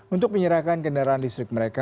untuk menyerahkan kendaraan listrik mereka